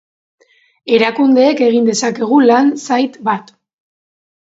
Erakundeek egin dezakegu lan zait bat.